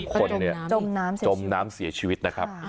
หาดด้มน้ำเสียชีวิต